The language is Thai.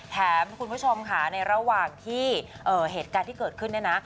แถมทุกคุณผู้ชมค่ะในระหว่างที่เหตุการณ์ที่เกิดขึ้นนะ